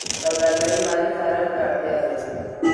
سوداګري مالي څارنې ته اړتیا لري.